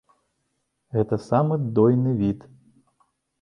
Гэта самы дойны від.